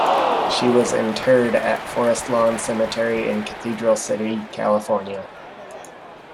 She was interred at Forest Lawn Cemetery in Cathedral City, California.